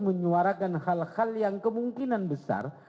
menyuarakan hal hal yang kemungkinan besar